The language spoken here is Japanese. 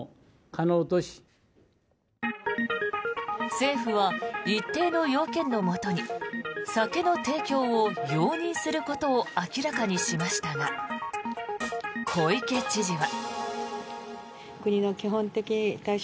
政府は一定の要件のもとに酒の提供を容認することを明らかにしましたが小池知事は。